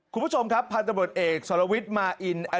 คุณผู้ชมครับพันธุบริษัทเก่าตำรวจเอกสอรวิทมาอินอดีต